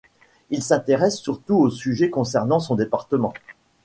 Il s'intéresse surtout aux sujets concernant son département.